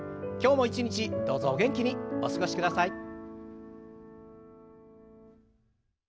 今日も一日どうぞお元気にお過ごしください。